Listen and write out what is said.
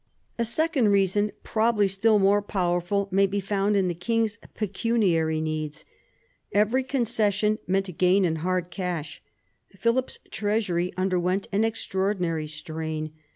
A second reason, probably still more powerful, may be found in the king's pecuniary needs. Every concession meant a gain in hard cash. Philip's treasury under went an extraordinary strain.